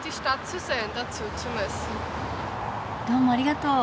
どうもありがとう。